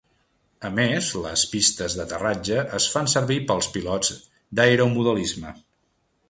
A més, les pistes d'aterratge es fan servir pels pilots d'aeromodelisme.